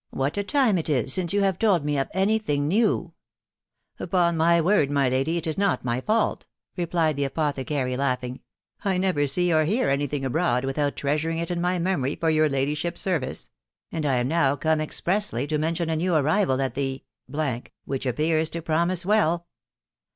. What a time it is since you have told me of any thing new !"'* Upon my word, my lady, it is not ray fault," replied the apothecary, laughing ;* I never see or hear any thing abroad without treasuring it in my memory for your ladyship's ser vice ; and I am now come expressly to mention a new arrival at the , which appears to promise well."